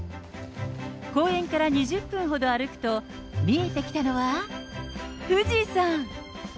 公園から２０分ほど歩くと、見えてきたのは富士山。